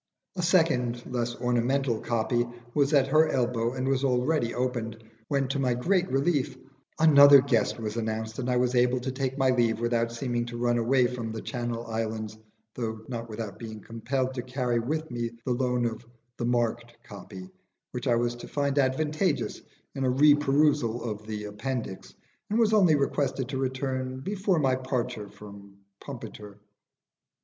A second (less ornamental) copy was at her elbow and was already opened, when to my great relief another guest was announced, and I was able to take my leave without seeming to run away from 'The Channel Islands,' though not without being compelled to carry with me the loan of "the marked copy," which I was to find advantageous in a re perusal of the appendix, and was only requested to return before my departure from Pumpiter.